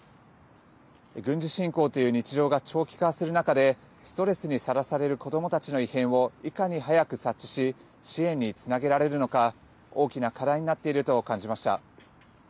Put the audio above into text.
軍事侵攻という日常が長期化する中でストレスにさらされる子どもたちの異変をいかに早く察知し支援につなげられるのか大きな課題になっていると感じました。